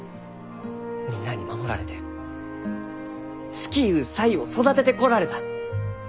みんなに守られて好きゆう才を育ててこられた。